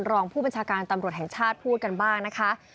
รองผู้บัญชาการตำรวจแห่งชาติพูดกันบ้างนะคะ